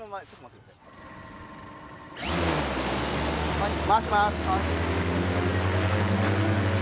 はい回します。